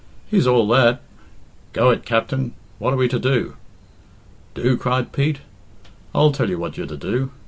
"He's all that" "Go it, Capt'n. What are we to do?" "Do?" cried Pete. "I'll tell you what you're to do.